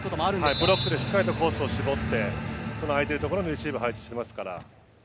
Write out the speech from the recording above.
ブロックでしっかりコースを絞って空いているところにレシーブを配置していますから。